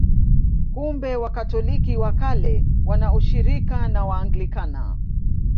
Kumbe Wakatoliki wa Kale wana ushirika na Waanglikana.